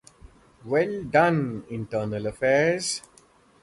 Well done Internal Affairs.